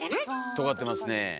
とがってますね。